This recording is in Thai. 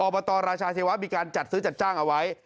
บตรราชาเทวะมีการจัดซื้อจัดจ้างเอาไว้